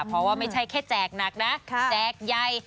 เพราะว่าไม่ใช่แค่แจกหนักนะแจกใหญ่